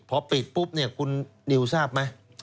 พอปิดปุ๊บเนี่ยคุณนิวทราบไหม